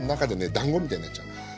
だんごみたいになっちゃう。